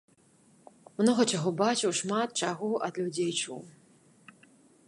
Многа чаго бачыў, шмат чаго ад людзей чуў.